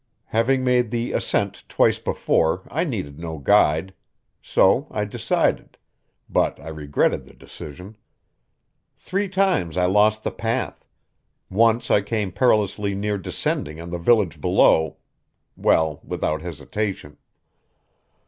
Having made the ascent twice before, I needed no guide. So I decided; but I regretted the decision. Three times I lost the path; once I came perilously near descending on the village below well, without hesitation.